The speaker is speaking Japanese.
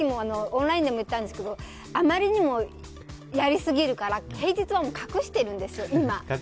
オンラインでも言ったんですけどあまりにもやりすぎるから平日は隠してるんです、今。